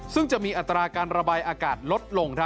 ซึ่งจะมีอัตราการระบายอากาศลดลง